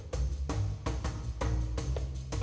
semoga hari ini berjalan baik